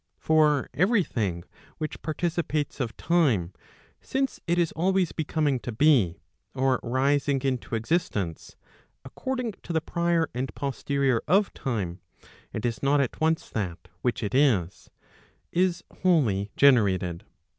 For every thing which participates of time, since it is always becoming to be, or rising into existence, according to the prior and posterior of time, and is not at once that which it is, is wholly generated.